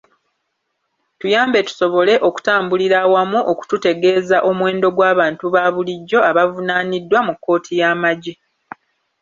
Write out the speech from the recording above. Tuyambe tusobole okutambulira awamu okututegeeza omuwendo gw’abantu ba bulijjo abavunaaniddwa mu kkooti y’amagye.